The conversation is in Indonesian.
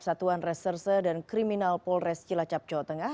satuan reserse dan kriminal polres cilacap jawa tengah